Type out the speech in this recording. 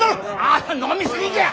ああ飲み過ぎじゃ！